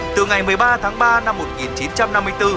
từ ngày một mươi ba tháng ba năm một nghìn chín trăm năm mươi bốn